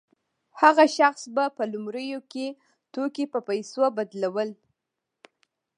هغه شخص به په لومړیو کې توکي په پیسو بدلول